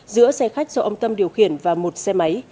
giữa xe khách do ông tâm điều khiển và một xe máy